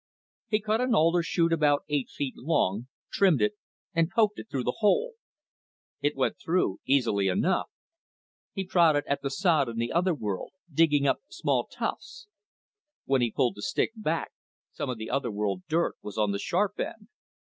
He cut an alder shoot about eight feet long, trimmed it, and poked it through the hole. It went through easily enough. He prodded at the sod in the other world, digging up small tufts. When he pulled the stick back, some of the other world dirt was on the sharp end.